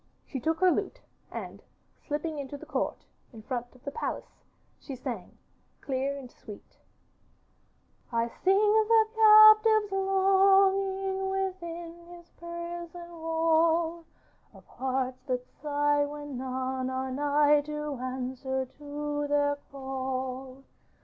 She took her lute, and slipping into the court in front of the palace she sang, clear and sweet: 'I sing the captive's longing Within his prison wall, Of hearts that sigh when none are nigh To answer to their call.